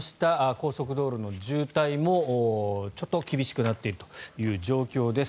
高速道路の渋滞もちょっと厳しくなっているという状況です。